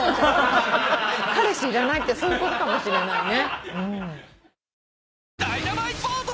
彼氏いらないってそういうことかもしれないね。